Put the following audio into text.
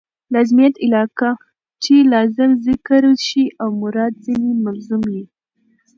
لازمیت علاقه؛ چي لازم ذکر سي او مراد ځني ملزوم يي.